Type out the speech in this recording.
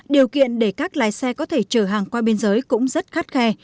điều kiện để các lái xe có thể chở hàng qua biên giới cũng rất khắt khe